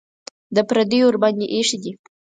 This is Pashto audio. د پردیو ورباندې ایښي دي.